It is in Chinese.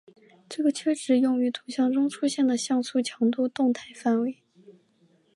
这个阈值用于图像中出现的像素强度的动态范围。